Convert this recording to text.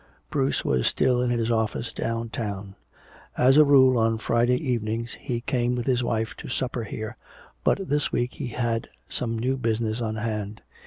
Bruce was still in his office downtown. As a rule on Friday evenings he came with his wife to supper here, but this week he had some new business on hand.